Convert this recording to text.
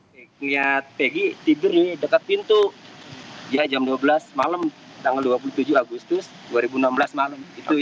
peggy tidur dekat pintu jam dua belas malam tanggal dua puluh tujuh agustus dua ribu enam belas malam